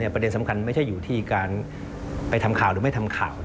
ประเด็นสำคัญไม่ใช่อยู่ที่การไปทำข่าวหรือไม่ทำข่าว